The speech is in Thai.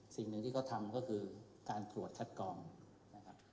สิ่งหนึ่งที่เขาทำก็คือการตรวจคัดกองนะครับ